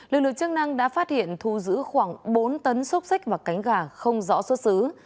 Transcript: lực lượng chức năng đã phát hiện thu giữ khoảng bốn tấn xúc xích và cánh gà không rõ xuất xứ